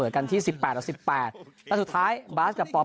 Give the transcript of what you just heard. สเมินกันที่สิบแปดออกสิบแปดและสุดท้ายบาสกับป่อป้อ